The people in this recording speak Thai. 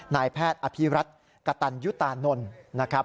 นายแพทย์อภิรัตกตันยุตานนท์นะครับ